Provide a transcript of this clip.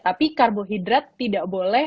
tapi karbohidrat tidak boleh